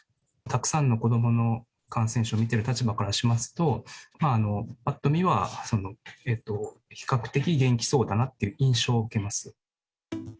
たくさんの子どもの感染症を診ている立場からしますと、ぱっと見は比較的、元気そうだなっていう印象を受けます。